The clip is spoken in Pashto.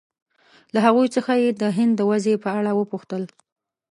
له هغوی څخه یې د هند د وضعې په اړه وپوښتل.